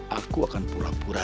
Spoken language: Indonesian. aku akan pura pura